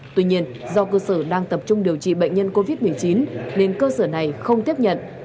tuy nhiên do cơ sở đang tập trung điều trị bệnh nhân covid một mươi chín nên cơ sở này không tiếp nhận